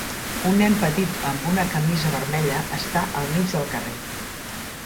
Un nen petit amb una camisa vermella està al mig del carrer.